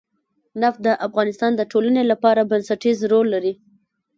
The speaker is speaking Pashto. نفت د افغانستان د ټولنې لپاره بنسټيز رول لري.